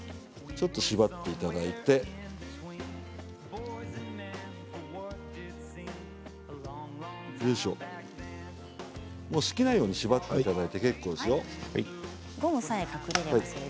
ちょっと縛っていただいてお好きなように縛っていただいて。